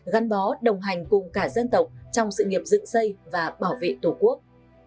gắn bó đồng hành cùng cả dân tộc trong sự nghiệp dựng xây và bảo vệ tổ quốc